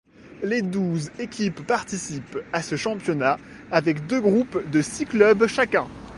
Les douze équipes participent à ce championnat avec deux groupes de six clubs chacun.